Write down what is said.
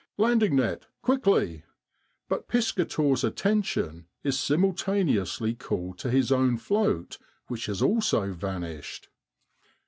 'Landing net, quickly!' but Piscator's attention is simultaneously called to his own float, which has also vanished.